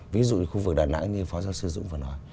ví dụ như khu vực đà nẵng như phó giáo sư dũng vừa nói